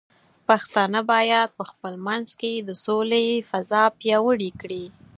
پښتانه بايد په خپل منځ کې د سولې فضاء پیاوړې کړي.